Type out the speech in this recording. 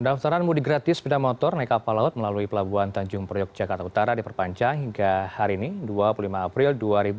pendaftaran mudik gratis sepeda motor naik kapal laut melalui pelabuhan tanjung priok jakarta utara diperpanjang hingga hari ini dua puluh lima april dua ribu dua puluh